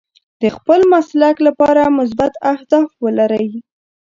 د خپل مسلک لپاره مثبت اهداف ولرئ.